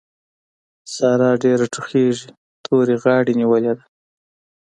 سارا ډېره ټوخېږي؛ تورې غاړې نيولې ده.